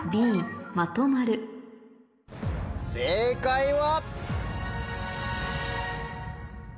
正解は。